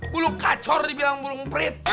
belum kacor dibilang belum perit